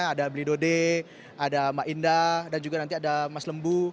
ada blidode ada mbak indah dan juga nanti ada mas lembu